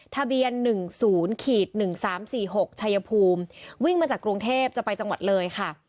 ทะเบียน๑๐๑๓๔๖ชัยภูมิวิ่งมาจากกรุงเทพจะไปจังหวัดเลยค่ะ